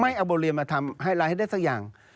เอาบทเรียนมาทำไฮไลท์ให้ได้สักอย่าง